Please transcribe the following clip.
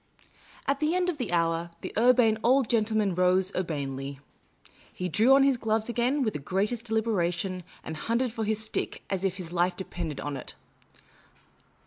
At the end of the hour, the Urbane Old Gentleman ro.se urbanely. He drew on his gloves again with the greatest deliberation, and hunted for his stick as if his life depended upon it.